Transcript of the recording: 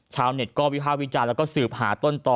ชาวเน็ตก็วิภาควิจารณ์แล้วก็สืบหาต้นต่อ